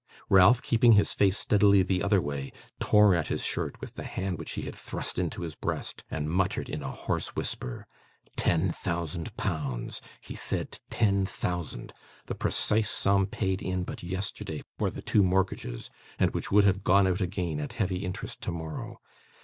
Ralph, keeping his face steadily the other way, tore at his shirt with the hand which he had thrust into his breast, and muttered in a hoarse whisper: 'Ten thousand pounds! He said ten thousand! The precise sum paid in but yesterday for the two mortgages, and which would have gone out again, at heavy interest, tomorrow.